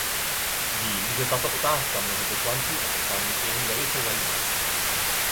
Vím, že tato otázka mnoho poslanců a poslankyň velice zajímá.